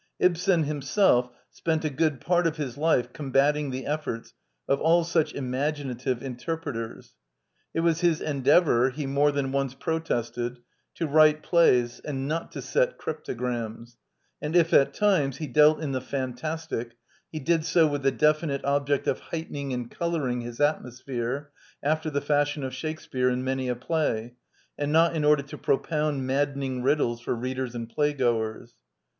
Ibsen himself spent a good part of his life combating the efforts of all such imaginative interpreters. It was his endeavor, he more than once protested, to write plays, and not to set cryptograms , and if, at times, he _d(?.alt '" <^bp^ %t^fir, hf. ^ sn with ttie^Heflnrtft object of heightening an d coloring his atmospTiere, after ""the fashion orShakespeare'Tn^many a play, and not in order to propound maddening riddles for readers and playgoers.